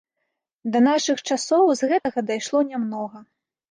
Да нашых часоў з гэтага дайшло нямнога.